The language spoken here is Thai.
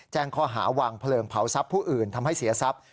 แจ้งคอหาวางเพลิงเผาซับผู้อื่นทำให้เสียซับ